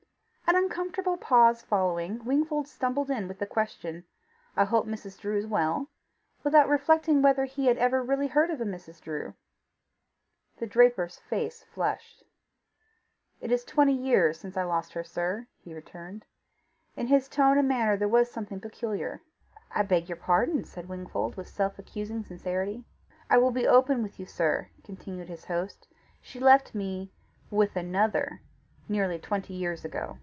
An uncomfortable pause following, Wingfold stumbled in with the question, "I hope Mrs. Drew is well," without reflecting whether he had really ever heard of a Mrs. Drew. The draper's face flushed. "It is twenty years since I lost her, sir," he returned. In his tone and manner there was something peculiar. "I beg your pardon," said Wingfold, with self accusing sincerity. "I will be open with you sir," continued his host: "she left me with another nearly twenty years ago."